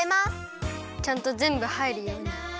ちゃんとぜんぶはいるように。